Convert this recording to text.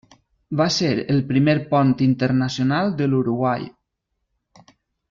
Va ser el primer pont internacional de l'Uruguai.